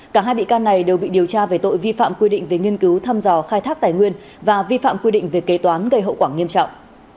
cả hai bị can này đều bị điều tra về tội vi phạm quy định về nghiên cứu thăm dò khai thác tài nguyên và vi phạm quy định về kế toán gây hậu quả nghiêm trọng